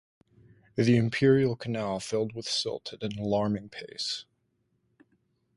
The Imperial Canal filled with silt at an alarming pace.